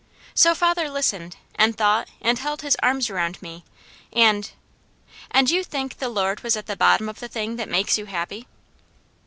So father listened and thought and held his arms around me, and "And you think the Lord was at the bottom of the thing that makes you happy?"